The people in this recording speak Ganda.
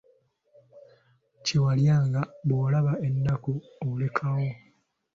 Kye walyanga, bw'olaba ennaku olekayo.